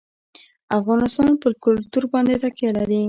افغانستان په کلتور باندې تکیه لري.